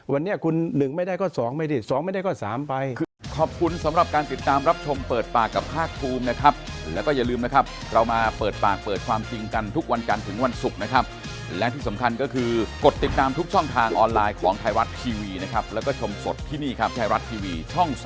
วันนี้คุณหนึ่งไม่ได้ก็สองไม่ได้สองไม่ได้ก็สามไป